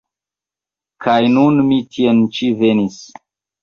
Kaj nun mi tien ĉi venis.